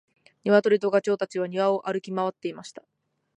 ニワトリとガチョウたちは庭を歩き回っていました。